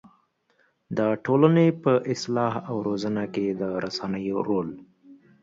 د ټولنې په اصلاح او روزنه کې د رسنيو رول